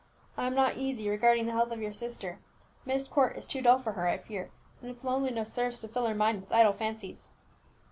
"I am not easy regarding the health of your sister; Myst Court is too dull for her, I fear, and its loneliness serves to fill her mind with idle fancies."